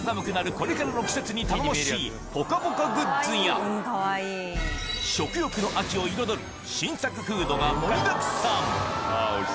これからの季節に頼もしいぽかぽかグッズや、食欲の秋を彩る新作フードが盛りだくさん。